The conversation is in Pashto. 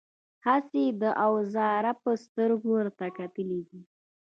هسې د اوزار په سترګه ورته کتلي دي.